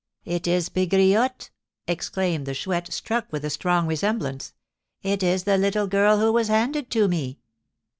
"It is Pegriotte!" exclaimed the Chouette, struck with the strong resemblance; "it is the little girl who was handed to me!